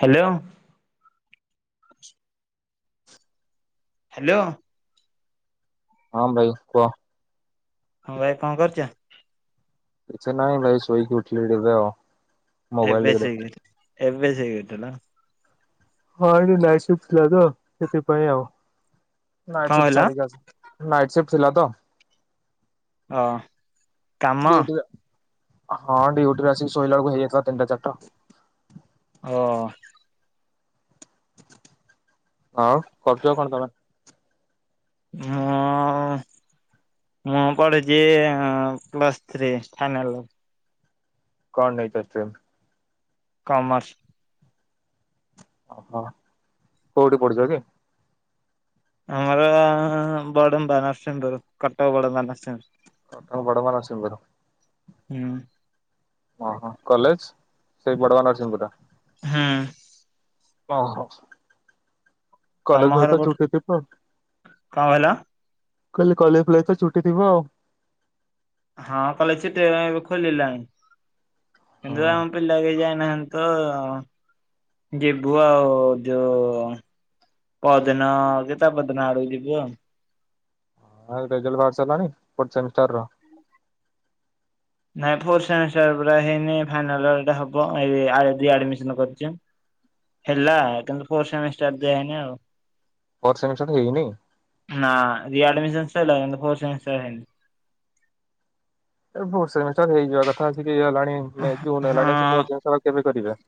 Hello. [inaudible] Hello. ହଁ ଭାଇ କୁହ? ହଁ ଭାଇ କଣ କରିଛ? କିଛି ନାଇଁ ଭାଇ ସୋଇକି ଉଠିଲି ଏବେ ଆଉ। ମୋବାଇଲ ଏବେ ଟିକେ ଦେଖୁଥିଲି। ଶୋଇକି ଏବେ ସୋଇକୀ ଉଠିଲ? ହଁ ଏଠି ନାଇଟ ଶିଫ୍ଟ ଥିଲା ତ ସେଥି ପାଇଁ ଆଉ କଣ ନାଇଟ ଶିଫ୍ଟ କହିଲ ସାରିକି ଆସିଲି। ନାଇଟ ଶିଫ୍ଟ ଥିଲା ତ ଅ କାମ ଡୁଟିରେ। ହଁ ଡିଉଟି ରେ ଆସିକ ଶୋଇଲା ବେଳକୁ ହେଇଯାଇଥିଲା ତିନିଟ ଚାରିଟା। ହଁ। ଆଉ କରୁଛ କଣ ତମେ? ମୁଁ ମୁଁ ପଢ଼ିଛି ପ୍ଲସ୍ ଥ୍ରୀ ଫାଇନାଲ ର। କଣ ନେଇଚ ଷ୍ଟ୍ରିମ୍? କମର୍ସ। ଓହୋ କୋଉଠି ପଡୁଛ କି? ଆମର ବଡ଼ମ୍ୱା ନର୍ସିଂପୁର କଟକ ବଡ଼ମ୍ୱା ନର୍ସିଂ ପୁର। କଟକ ବଡ଼ମ୍ବା ନର୍ସିଂପୁର। ହୁଁ। ଓହୋ କଲେଜ ସେଇ ବଡଆ ନରସିଂହ ପୁର ରେ। ହୁଁ। ଓ ହୋ ତମ କଲେଜ ଫଲେଜ୍ ଘର ତ କୋଉଠି ଛୁଟି ଥିବ। କଣ କହିଲ? ମୁ କହିଲି କଲେଜ ଫଲେଜ୍ ତ ଛୁଟି ଥିବ ଆଉ। ହଁ କଲେଜ ଛୁଟି ଏବେ ଖୋଲିଲାଣି କିନ୍ତୁ ହଁ ଆମ ପିଲା କେହି ଯାଇନାହାନ୍ତି। ତ ଯିବୁ ଆଉ ଯୋଉ ପଦିନ କି ତା ପଦିନ ଆଡକୁ ଯିବୁ ଆଉ। ଆଉ ରେଜଲ୍ଟ ବାହାରି ସରିଲାଣି ଫୋର୍ ସେମିଷ୍ଟାର ର? ନାଇଁ ଫୋର୍ଥ ସେମିଷ୍ଟର ପୁରା ହେଇନି ଫାଇନାଲା ର ଇଟା ହବ ଏଇ ଆଜି ଆଡମିସନ କରିଛି। ହେଲା କିନ୍ତୁ ଫୋର୍ଥ ସେମିଷ୍ଟାର ଦିଆ ହେଇନି ଆଉ। ଫୋର୍ଥ ସେମିଷ୍ଟାର ହେଇନି? ନାଁ ରି ଆଡମିଶନ୍ ସଇଲା କିନ୍ତୁ ଫୋର୍ ସେମିଷ୍ଟାର ହେଇନି। ଏ ଫୋର୍ ସେମିଷ୍ଟାର ହେଇଯିବା କଥା ଆଶିକି ହେଲାଣି ମେ ଜୁନ ହଁ ହେଲାଣିି କେବେ କରିବେ?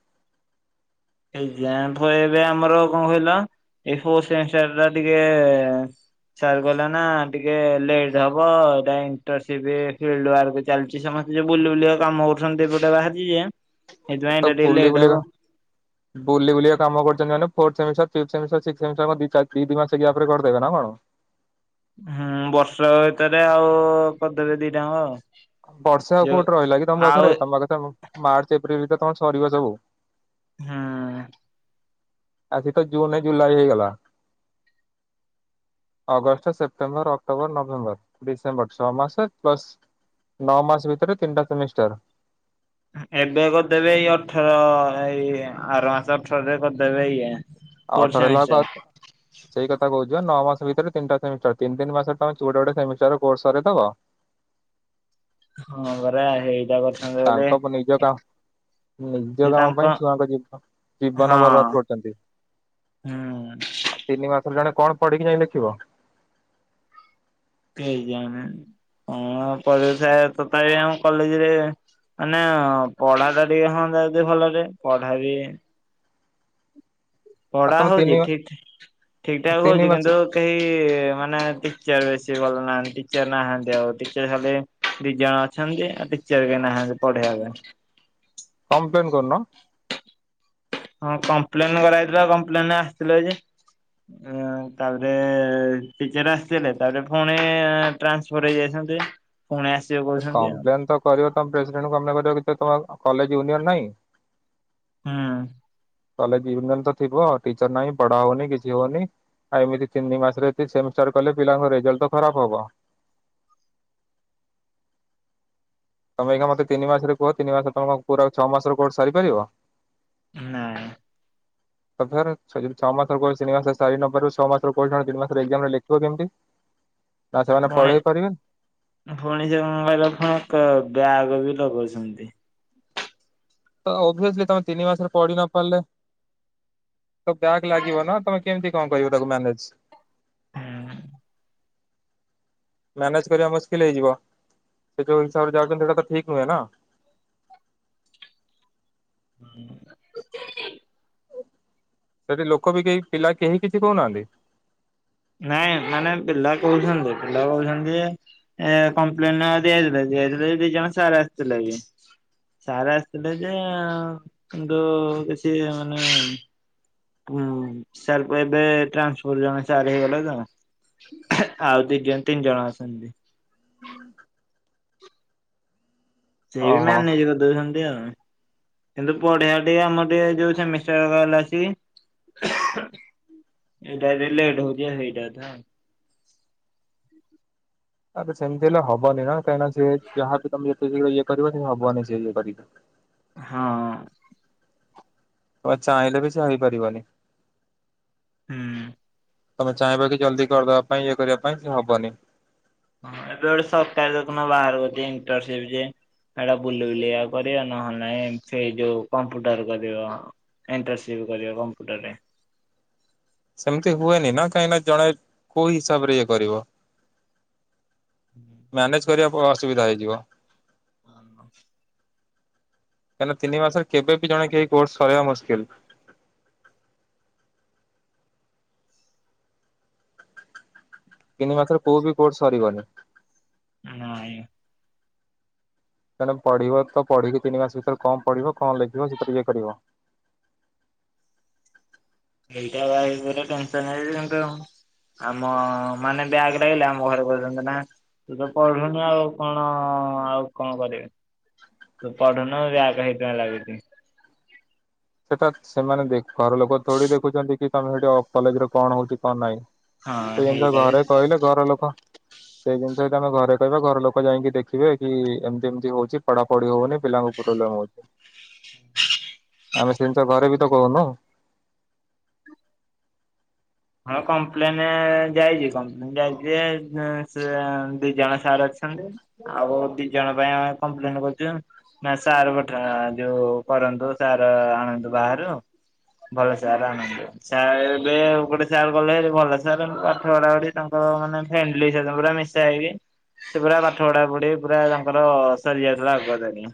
ଏ ଯା ଫ ଏବେ ଆମର କଣ କହିଲ ଏ ଫୋ ସେ ସେ ନା ଟିକେ ସାର କହିଲେ ନା ଟିକେ ଲେଟ ହବ ଏଇଟା ଇଣ୍ଟରସିଟି ଫିଲ୍ଡ ୱର୍କ ଚାଲିଛି ସମସ୍ତେ ଯଉ ବୁଲି ବୁଲିବା କାମ କରୁଛନ୍ତି ଏପଟେ ବାହାରିଛି ଯେ ସେଇଥିପାଇଁ ତ ଏଇଟା ଟିକେ ବୁଲି ଲେଟ୍ ବୁଲିକା ହବ। ବୁଲି ବୁଲିକା କାମ କରିଛନ୍ତି ମାନେ fourth semester fifth semester six semester କଣ ଦି ଚାରି ଦି ଦି ମାସରେ ରେ କରିଦବେ ନା କଣ? ହୁଁ ବର୍ଷକ ଭିତରେ ଆଉ କର ଦେବେ ଦି ଟାଙ୍କ ଆଉ। ବର୍ଷ ଆଉ ଯୋଉ କୋଉଠି ରହିଲା କି ତମ ଆଉ ପାଖରେ ତମ ପାଖରେ ମାର୍ଚ୍ଚ ଏପ୍ରିଲ ଭିତରେ ତମ ସରିବ ସବୁ। ଉଁ। ଆ ଜି ତ ଜୁନ ଜୁଲାଇ ହେଇଗଲା। August September October November December ଛଅ ମାସ ପ୍ଲସ୍ ନଅ ମାସ ଭିତରେ ତିନିଟା ସେମିଷ୍ଟାର। ଏବେ କରିଦେବେ ଏଇ ଅଠର ଏଇ ଆର ମାସ ଅଠରରେ କରିଦେବେ ଇଏ। ଆଉ ଫୋର୍ ଅଠାର ହେଲାକୁ ସେମିଷ୍ଟାର ଆଉ ସେଇ କଥା କହୁଚି ପା ନଅ ମାସ ଭିତରେ ତିନଟା ସେମିଷ୍ଟାର ତିନିତିନି ମାସରେ ତମେ ଗୋଟେ ଗୋଟେ ସେମିଷ୍ଟାର କୋର୍ସ ସରେଇଦେବ। ହଁ ଘରା ହେଇ ତାଙ୍କ ପ ନିଜ କାମ ନିଜ ସେ କାମ ପାଇଁ ତାଙ୍କ ଛୁଆଙ୍କ ଜୀବନ ବର୍ବାଦ କରୁଛନ୍ତି। ଉଁ। ତିନ ମାସରେ ଜଣେ କଣ ପଢିକି ଯାଇ ଲେଖିବ। କେ ଜାଣି କଣ ପରେଇଥାଏ ତଥାପି ଆମ କଲେଜରେ ମାନେ ପଢାଟା ଟିକେ ହୁଅନ୍ତା ଯଦି ଭଲରେ ପଢା ବି ଆଉ ପଢା ତମେ ହଉଛି ତିନି ଠିକ ଠିକ ଠାକ ତିନି ହଉଛି ମାସ କିନ୍ତୁ କେହି ମାନେ ଟିଚର ବେଶୀ ଭଲ ନାହାନ୍ତି ଟିଚର ନାହାନ୍ତି ଆଉଟିଚର ହେଲେ ଦି ଜଣ ଅଛନ୍ତି ଆଉ ଟିଚର କେ ନାହାନ୍ତି ପଢେଇବା ପାଇଁ। କମ୍ପ୍ଲେନ୍ କରୁନ। ହଁ କମ୍ପ୍ଲେନ କରାଜାଇଥିଲା କମ୍ପ୍ଲେନରେ ଆସିଥିଲା ଯେ ତାପରେ ଟିଚର ଆସିଥିଲେ ତାପରେ ପୁଣି ଟ୍ରାନ୍ସଫର ହେଇଯାଇଛନ୍ତି। ପୁଣି ଆସି ଆରେ କମ୍ପ୍ଲେନ ତ କରିବ ତମ ପ୍ରେସିଡେଣ୍ଟ କମ୍ଲେନ କରିବ କି ତମ କଲେଜ ୟୁନିୟନ ନାଇଁ? ହୁଁ। କଲେ ୟୁନିଅନ ତ ଥିବ ଟିଚର ନାହିଁ ପଢା ହଉନି କିଛି ହଉନି। ଆଉ ଏମିତି ତିନି ମାସରେ ଯଦି ସେମିଷ୍ଟାର କଲେ ପିଲାଙ୍କ ରେଜଲ୍ଟ ତ ଖରାପ ହବ। ତମେ ଆଇଖା ମତେ ତିନ ମାସରେ କୁହ ତିିନି ମାସରେ ତମ କଣ ଛଅ ମାସର କୋର୍ସ ସାରିପାରିବ? ନାଁଇ। [unintelligible] ଛଅ ମାସ କୋର୍ସ ତିନି ମାସରେ ସାରି ନପାରିବୁ ଛଅ ମାସର ପଇସା ତିନି ମାସ ରେ ଏକ୍ଜାମ୍ ରେ ଲେଖିବ କେମିତି? ନା ସେମାନେ ପଢେଇ ପାରିବେ? [unintelligible] ଏକ ବ୍ୟାଗ ବି ଲଗଉଛନ୍ତି। ତ ଓଭଭିୟସଲି ତମେ ତିନି ମାସରେ ପଢି ନ ପାରିଲେ ତ ବ୍ୟାଗ୍ ଲାଗିବ ନା ତମେ କେମିତି କଣ କହିବ ତାକୁ ମ୍ୟାନେଜ? ମ୍ୟାନେଜ୍ କରିବା ମୁସ୍କିଲ ହେଇଯିବ ସେ ଯୋଉ ହିସାବରେ ଯାଉଛନ୍ତି ସେଇଟା ତ ଠିକ ନୁହେଁ ନା। ହୁଁ ସେଠି ଲୋକ ବି କେହି ପିଲା କେହି କିଛି କହୁନାହାନ୍ତି? ନାଇଁ ମାନେ ପିଲା କହୁଛନ୍ତି ପିଲା କହୁଛନ୍ତି ଯେ ଏ କମ୍ପ୍ଲେନ ଦିଆଥିଲା ଦିଆଥିଲା ଦି ଜଣ ସାର ଆସିଥିଲେ ବି। ସାର୍ ଆସିଥିଲେ ଯେ କିନ୍ତୂ କିଛି ମାନେ ହୁଁ ସାର୍ପ ଏବେ ଟ୍ରାନ୍ସଫର୍ ଜଣେ ସାର ହେଇଗଲେ ତ ଆଉ ଦି ଜଣ ତିନି ଜଣ ଅଛନ୍ତି। ସେ ବି ଓହୋ। ମ୍ୟାନେଜ କରିଦଉଛନ୍ତି ଆଉ। କିନ୍ତୁ ପଢଆ ଟିକେ ଆମର ଟିକେ ଯୋଉ ସେମିଷ୍ଟାର ଗହଲା ଅଛି। ଏଇଟା ଲେଟ ହଉଛି ସେଇଟା ତ। ଆ ସେମତି ହେଲେ ହବନି ନା କାହିଁକି ସିଏ ଯାହା ବି ତମେ ଏତେ ଇଏ କରିବ ଭଗବାନ ନିଜେ ନିଜେ କରିବେ। ହଁ। ତମେ ଚାହିଁଲେ ବି ସେ ହେଇପାରିବନି। ହୁଁ। ତମେ ଚାହିଁବ କି ଜଲଦି କରିଦବା ପାଇଁ ଇଏ କରିବା ପାଇଁ କିନ୍ତୁ ହବନି। ହଁ ଏବେ ଗୋଟେ ସରକାରୀ ଦେଖୁନା ବାହାର ଇଣ୍ଟରନସିପ ଯେ। ସେଇଟା ବୁଲ ବୁଲଆ କରିବା ନହେଲେ ନାଇ ସେଇ ଯୋଉ କମ୍ପୁଟର କରିବ। ଇଣ୍ଟରସିପ କରିବ କମ୍ପ୍ୟୁଟରରେ। ସେମିତି ହୁଏନି ନା କାହିଁକି ନା ଜଣେ କୋଉ ହିସାବ ରେ ଇଏ କରିବ। ମ୍ୟାନେଜ କରିବା ଅ ଅସୁବିଧା ହେଇଯିବ। [inaudible] କାହିଁକିନା ତିିନି ମାସରେ କେବେ ବି ଜଣ କେହି କୋର୍ସ କରିବା ମୁସ୍କିଲ। ତିନି ମାସରେ କୋଉ ବି କୋରସ ସରିବନି। ନାଇଁ। ତେଣୁ ପଢିବ ତ ପଢିକି ତିନି ମାସ ଭିତରେ କଣ ପଢିବ କଣ ଲେଖିବ ସେତରେ ଇଏ କରିବ। ଏଇଟା ଭାରି ପଡିଲେ ଟେନ୍ସନ। ଆମ ମାନେ ବ୍ୟାକ ଲାଗିଲେ ଆମ ଘରେ କହୁଛନ୍ତି ନା ତୁ ତ ପଢୁନୁ ଆଉ କଣ ଆଉ କଣ କରିବି? ତୁ ପଢ଼ୁନୁ ବ୍ୟାକ ଏକଜାମ ଲାଗୁଛି। ସେଟା ସେମାନେ ଦେଖେ ଘର ଲୋକ ଥୋଡି ଦେଖୁଛନ୍ତି କି ତମେ ସେଠି କଲେଜରେ କଣ ହଉଛି କଣ ନାହିଁ। ହଁ ସେଇ ଜିନିଷ ଘରେ ହେଇଟା କହିଲ ଘର ଲୋକ ସେଇ ଜିନିଷ ଯଦି ଆମେ ଘରେ କହିବା ଘର ଲୋକ ଯାଇକି ଦେଖିବେ କି ଏମିତି ଏମିତି ହଉଛି ପଢାପଢି ହଉନି ପିଲାଙ୍କୁ ପ୍ରୋବ୍ଲେମ୍ ହୋଉଛି। [inaudible] ଆମେ ସେମିତି ତ ଘରେ ବି ତ କହୁନୁ। ହଁ କମ୍ପ୍ଲେନ ଯାଇଛି କମ୍ପ୍ଲେନ୍ ଯାଇଛି ଯେ ସେ ଦି ଜଣ ସାର୍ ଅଛନ୍ତି ଆଉ ଦି ଜଣ ପାଇଁ ଆମେ କମ୍ପ୍ଲେନ କରୁଛୁ। ନା ସାର ପଠା ଯୋଉ କରନ୍ତୁ ସାର ଆଣନ୍ତୁ ବାହାରୁ। ଭଲ ସାର୍ ଆଣନ୍ତୁ ସାର ଏବେ ଗୋଟେ ସାର୍ ଗଲେ ଭଲ ସାର୍ ପାଠ ପଢା ପଢି ତାଙ୍କର ମାନେ ଫ୍ରେଣ୍ଡଲି ପୁରା ମିଶା ହେଇକି ସେ ପୁରା ପାଠ ପଢା ପଢି ପୁରା ତାଙ୍କର ସରିଯାଇଥିଲା ଆଗୁଆ ଦଣି।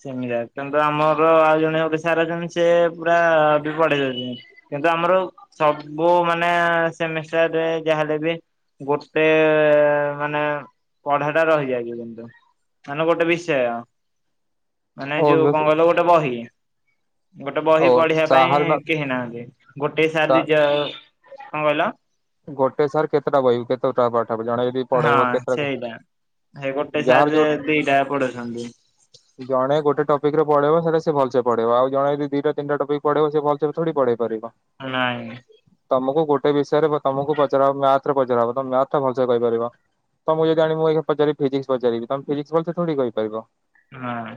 ସେମିତିକା କିନ୍ତୁ ଆମର ଆଉ ଜଣେ ସାରା ଜଣେ ସେ ପୁରା ବି ପଢେଇ ଦଉଛନ୍ତି। କିନ୍ତୁ ଆମର ସବୁ ମାନେ ସେମିଷ୍ଟାରରେ ଯାହାହେଲେ ବି ଗୋଟେମାନେ ପଢା ଟା ରହିଯାଇଛି କିନ୍ତୁ ମାନେ ଗୋଟେ ବିଷୟ। ମାନେ ଯୋଉ କଣ କହିଲ ଗୋଟେ ବହି ଗୋଟେ ଓ ବହି ପଢେଇବା ସାହାର ପାଇଁ କେହି ନାହାନ୍ତି। ଗୋଟେ ସାର ଦି ଯଣ କଣ କହିଲ? ଗୋଟେ ସାର୍ କେତେଟା ବହି କେତେ ଟା ପାଠ ଜଣେ ଯଦି ପଢେଇବ ହଁ କେତେଟା ସେଇଟା ସେ ଗୋଟେ ଯାହାର ଯୋଉ ସାର ଦିଟା ପଢଉଛନ୍ତି। ଜଣେ ଗୋଟେ ଟପିକରେ ପଢେଇଵ ସେଟା ସେ ଭଲ ସେ ପଢେଇିବ ଆଉ ଜଣେ ଯଦି ଦିଟା ତିନିଟ ଟପିକ ପଢେଇବ ସେ ଭଲ ସେ ଥୋଡି ପଢେଇ ପାରିବ। ନାଇଁଁ ନାଇ। ତମକୁ ଗୋଟେ ବିଷୟରେ ତମକୁ ପଚାର ହବ ମ୍ୟାଥରେ ପଚାର ହବ ତମେ ମ୍ୟାଥ ଟା ଭଲସେ କହିପାରିବ। ତମୁକୁ ଯଦିଆଣି ମୁ ଏଇ ପଚାରି ଫିଜିକ୍ସ ପଚାରିବି ତମେ ଫିଜିକ୍ସ ଭଲସେ ଥୋଡି କହିପାରିବ। ନା।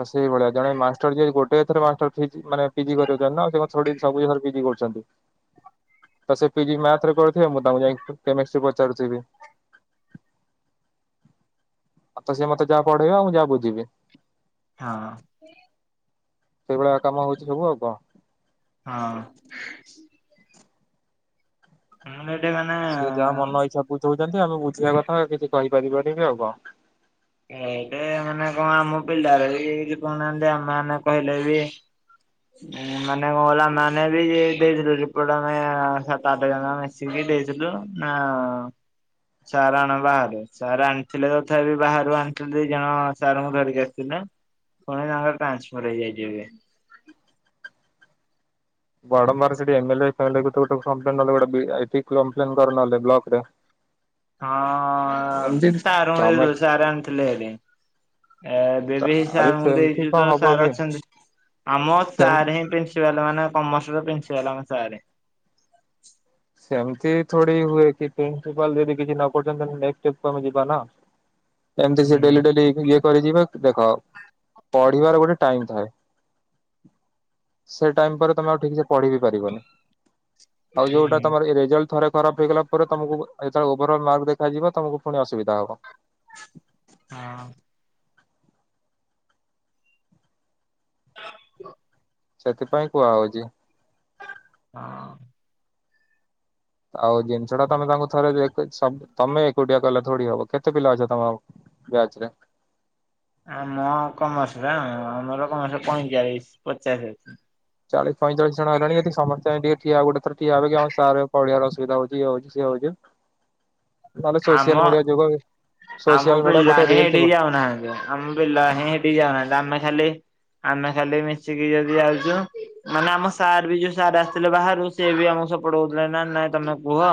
ତ ସେଇ ଭଳିଆ ଜଣେ ମାଷ୍ଟର ଯଦି ଗୋଟେ ସେଇଥି ରେ ମାଷ୍ଟର ପିଜି ମାନେ ପିଜି କରୁଛନ୍ତି ନା ଆଉ ସେ କଣ ଥୋଡି ସବୁ ଜିନିଷରେ ପିଜି କରୁଛନ୍ତି। ତ ସେ ପିଜି ମ୍ୟାଥରେ କରୁଥିଵେ ମୁଁ ତାଙ୍କୁ ଯାଇ କେମିଷ୍ଟ୍ରି ପଚାରୁଥିଵି। ଆଛା ସେ ମୋତେ ଯାହା ପଢେଇଵେ ଆଉ ମୁଁ ଯାହା ବୁଝିବି। ହଁ। ସେଇଭଳିଆ କାମ ହଉଛି ସବୁ ଆଉ କଣ। ହଁ। ମୁ ଏଟ ମାନେ ସେ ଯାହା ମନ ଇଚ୍ଛା ବୁଝଉଛନ୍ତି ଆମେ ବୁଝିବା କଥା ଆଉ କିଛି କହିପାରିବାନି ଆଉ କଣ। ଏବେ ମାନେ କଣ ଆମ ପିଲାରେ ବି କିଛି କହୁନାହାନ୍ତି ଆମେ ଆମ କହିଲେ ବି [unintelligible] ମାନେ କଣ କହିଲ ଆମେମାନେ ଏଇ ଷ୍ଟେଜ ରେ ଅଛୁ [unintelligible] ସାତ ଆଠ ଦିନ [unintelligible] ଦେଇଥିଲୁ ନା ସାର ଆଣ ବାହାରେ ସାର ଆଣିଥିଲେ ତଥାପି ବାହାରୁ ଆଣିଥିଲି ଦି ଜଣ ସାର୍ ଙ୍କୁ ଧରିକି ଆସିଥିଲେ, ପୁଣି ତାଙ୍କର ଟ୍ରାନ୍ସଫର ହେଇଯାଇଛି ଏବେ। ବଡମ୍ବାର ସେଠି ଏମଏଲ, ଫେମେଲ ଗୋଟେ ନଲେ ଗଟେଇ କମ୍ପ୍ଲେନ [unintelligible] ବ୍ଲକ ରେ। ଏମତି ହଁ, ସାରଙ୍କୁ ତମେ ଦେଇଥିଲୁ ସାର ଆଣିଥିଲେ ହେରି। ଏ ବେବି ଆରେ ସାରଙ୍କୁ ସେମିତି ଦେଇଛୁ କଣ ତ ହବ ସାର୍ କି ଅଛନ୍ତି, ଆମ ସେମତି ସାର୍ ହିଁ ପ୍ରିନ୍ସ ପ୍ରିନ୍ସିପାଲ୍ ମାନେ କମର୍ସ ର ପ୍ରିନ୍ସିପାଲ ଆମ ସାର୍। ସେମିତି ଥୋଡି ହୁଏ କି ପ୍ରିନ୍ସିପାଲ ଯଦି କିଛି ନ କରୁଛନ୍ତି ତାହେଲେ ନେକ୍ସ୍ଟ ଷ୍ଟେପ୍ କୁ ଆମେ ଯିବା ନା। [inaudible] ଏମିତି ସେ ଡେଲି ଡେଲି ଇଏ କରିଯିବ ଦେଖ ପଢିବାର ଗୋଟେ ଟାଇମ ଥାଏ। ସେ ଟାଇମ୍ ପରେ ତମେ ଆଉ ଠିକ୍ ସେ ପଢି ବିି ପାରିବନି ଆଉ ଯୋଉଟା ହଁ। ତମର ରେଜଲ୍ଟ ଥରେ ଖରାପ ହେଇଗଲା ପରେ ତମକୁ, ଯେତେବେଳେ ଓଭର ଅଲ୍ ମାର୍କ ଦେଖାଯିଵ ତମକୁ ପୁଣି ଅସୁବିଧା ହବ। ହଁ। [inaudible] ସେଥିପାଇଁ କୁହା ହଉଛି। ହଁ। ଆଉ ଜିନିଷ ଟା ତମେ ତାଙ୍କୁ ଥରେ ଦେକ୍ ସ ତମେ ଏକୁଟିଆ କଲେ ଥୋଡି ହବ କେ କେତେ ପିଲା ଅଛ ତମ ବ୍ୟାଚ୍ ରେ? ଆମ କମର୍ସ ରେ ଆମର କମର୍ସ ପଇଁଚାଳିଶ ପଚାଶେ। ଚାଳିଶ ପଇଁଚାଳିଶ ଜଣ ହେଲେଣି ଯଦି ସମସ୍ତେ ଯାଇକିଠିଆ ଗୋଟେ ଥର ଠିଆ ହେବା ଅପେକ୍ଷା ଆମ ସାର ପଢିବାର ଅସୁବଧା ହଉଛି ଇଏ ହେଉଛି ସିଏ ହଉଛି ନହେଲେ ସୋସିଆଲ ଆମ ମିଡିଆ ଯୋଗ ଆମ ସୋସିଆଲ ମିଡିଆ ପିଲା ଗୋଟେ ହିଁ ରିଲ [unintelligible] ଥିବ ଯାଉନାହାନ୍ତି। ଆମ ପିଲାହିଁ ହେଠି ଯାଉନାହାନ୍ତି ଆମେ ଖାଲି ଆମେ ଖାଲି ମିଶିକି ଯଦି ଯାଉଛୁ। ମାନେ ଆମ ସାର୍ ବି ଯୋଉ ସାର୍ ଆସିଥିଲେ ବାହାରୁ ସେ ବି ଆମକୁ ସପୋର୍ଟ କରୁଥିଲେ ନା ନାଇଁ ତମେ କୁହ।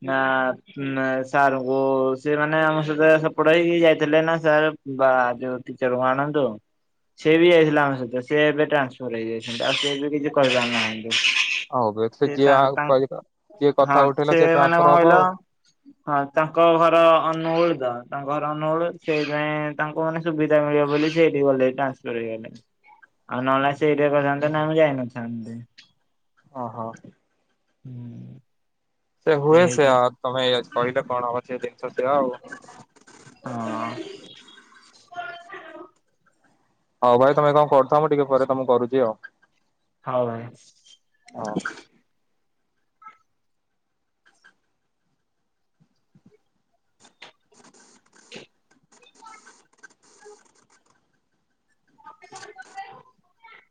[unintelligible] ସାରଙ୍କୁ ସେ ମାନେ ଆମ ସହିତ ସପୋର୍ଟ ହେଇକି ଯାଇଥିଲେ ନା ସାର୍ ବା ଯୋଉ ଟିଚର କୁ ଆଣନ୍ତୁ। ସେ ବି ଯାଇଥିଲା ଆମ ସହିତ ସିଏ ଏବେ ଟ୍ରାନ୍ସଫର ହେଇଯାଇଛନ୍ତି ଆଉ ସେ ଏବେ କିଛି କରିପାରୁନାହାନ୍ତି। ଆଉ ସେ ଯିଏ ତା-ତାଙ୍କ ଯିଏ କଥା ହଁ ଉଠେଇଲା ସେ ମାନେ କଣ ଟ୍ରାନ୍ସଫର ହବ କହିଲ ଆଉ। ହଁ ତାଙ୍କ ଘର ଅନୁଗୋଳ ତ ତାଙ୍କ ଘର ଅନୁଗୋଳ ସେ ପାଇଁ ତାଙ୍କୁ ମାନେ ସୁବିଧା ମିଳିବ ବୋଲି ସିଏ ଏହିଟି ଗଲେ ଟ୍ରାନ୍ସଫର ହେଇଗଲେ। ଆଉ ନହେଲେ ନାଇଁ ସେ ଏହିଟା କରିଥାନ୍ତେ ନା ମୁଁ ଯାଇନଥାନ୍ତି। ଓ ହୋ। ହୁଁ। ସେ ହୁଏ ସେଇଥି ସେହା ଆଉ ତମେ କହିଲେ କଣ ହବ ସେ ଲେକ୍ଚର ସେୟା ଆଉ। ହଁ। ହଉ ଭାଇ ତମେ କଣ କରଥାଅ ମୁ ଟିକେ ପରେ ତମକୁ କରୁଛି ଆଉ। ହଉ ଭାଇ। ହଁ। [inaudible] [unintelligible]